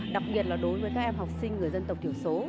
đặc biệt là đối với các em học sinh người dân tộc thiểu số